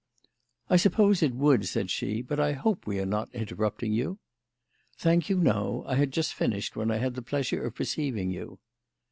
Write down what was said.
"I suppose it would," said she, "but I hope we are not interrupting you." "Thank you, no. I had just finished when I had the pleasure of perceiving you."